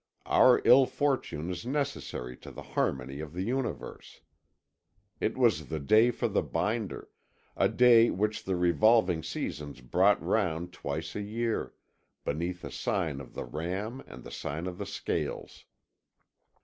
Our ill fortune is necessary to the harmony of the Universe. It was the day for the binder, a day which the revolving seasons brought round twice a year, beneath the sign of the Ram and the sign of the Scales.